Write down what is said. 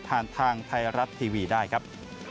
ผ่านทางไทยรัตน์ทีวีได้ครับ